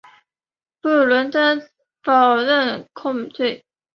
布伦森否认控罪。